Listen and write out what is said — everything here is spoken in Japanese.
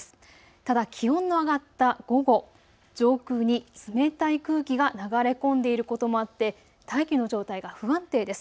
ただ気温の上がった午後、上空に冷たい空気が流れ込んでいることもあって大気の状態が不安定です。